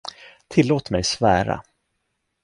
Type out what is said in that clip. Tillåt mig svära!